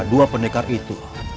dua pendekar itu